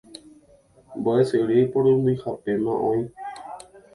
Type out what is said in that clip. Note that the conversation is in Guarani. mbo'esyry porundyhápema oĩ.